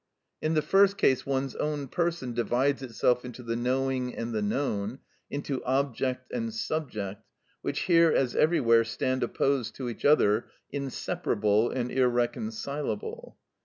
In the first case one's own person divides itself into the knowing and the known, into object and subject, which here as everywhere stand opposed to each other, inseparable and irreconcilable.